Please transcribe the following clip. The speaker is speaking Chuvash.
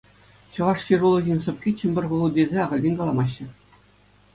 Чӑваш ҫырулӑхӗн сӑпки Чӗмпӗр хули тесе ахальтен каламаҫҫӗ.